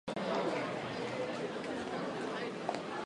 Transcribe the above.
これは面白い